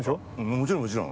もちろんもちろん。